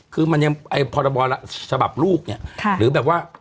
คือมันยังไอ้พรบฉบับลูกเนี่ยหรือแบบว่า